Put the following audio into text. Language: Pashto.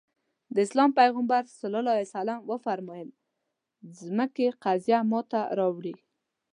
د اسلام پيغمبر ص وفرمايل ځمکې قضيه ماته راوړي.